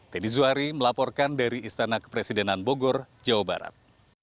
tni zuwari melaporkan dari istana kepresidenan bogor jawa barat